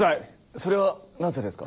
それはなぜですか？